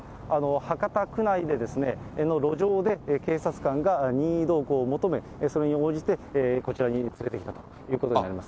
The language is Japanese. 博多区内の路上で、警察官が任意同行を求め、それに応じてこちらに連れてきたということになります。